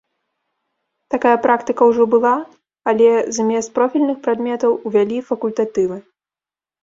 Такая практыка ўжо была, але замест профільных прадметаў увялі факультатывы.